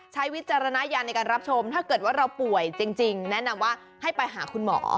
วิจารณญาณในการรับชมถ้าเกิดว่าเราป่วยจริงแนะนำว่าให้ไปหาคุณหมอ